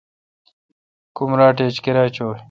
کمراٹ ایچ کیرا چوں ۔